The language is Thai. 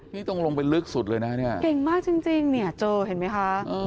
นี่ตรงลงไปลึกสุดเลยนะเนี่ยเก่งมากจริงเนี่ยเจอเห็นไหมคะ